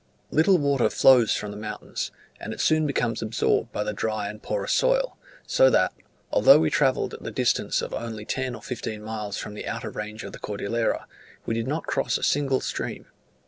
Little water flows from the mountains, and it soon becomes absorbed by the dry and porous soil; so that, although we travelled at the distance of only ten or fifteen miles from the outer range of the Cordillera, we did not cross a single stream.